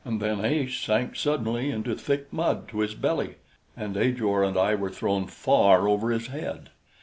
And then Ace sank suddenly into thick mud to his belly, and Ajor and I were thrown far over his head.